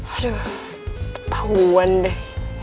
aduh ketahuan deh